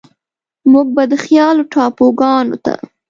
موږ به د خيال و ټاپوګانوته،